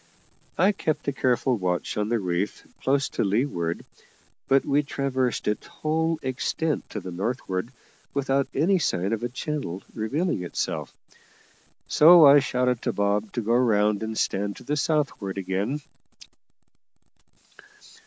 I kept a careful watch on the reef close to leeward, but we traversed its whole extent to the northward without any sign of a channel revealing itself, so I shouted to Bob to go round and stand to the southward again.